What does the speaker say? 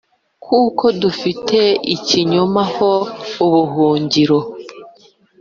kuko dufite ikinyoma ho ubuhungiro,